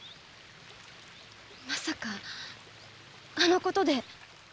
まさかあのことで。